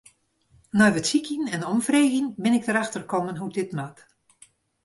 Nei wat sykjen en omfreegjen bin ik derefter kommen hoe't dit moat.